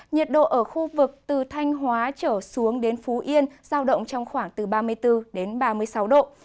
nhiệt độ ở khu vực từ thanh hóa trở xuống đến phú yên giao động trong khoảng từ ba mươi bốn đến ba mươi sáu độ